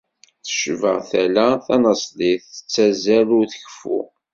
Tecba tala tanaṣlit, tettazzal ur tkeffu.